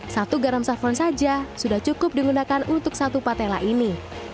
satu garam safon saja sudah cukup digunakan untuk satu patella ini